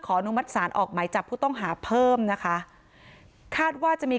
อนุมัติศาลออกไหมจับผู้ต้องหาเพิ่มนะคะคาดว่าจะมี